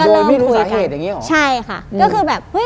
ก็เลยไม่รู้สาเหตุอย่างงีหรอใช่ค่ะก็คือแบบเฮ้ย